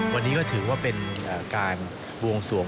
วันนี้ก็ถือว่าเป็นการบวงสวง